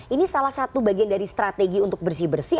ini salah satu bagian dari strategi untuk bersih bersih